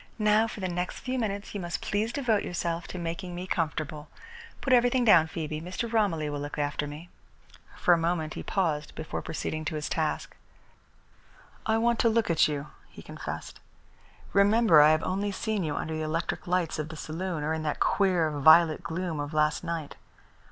"Now for the next few minutes you must please devote yourself to making me comfortable. Put everything down, Phoebe. Mr. Romilly will look after me." For a moment he paused before proceeding to his task. "I want to look at you," he confessed. "Remember I have only seen you under the electric lights of the saloon, or in that queer, violet gloom of last night.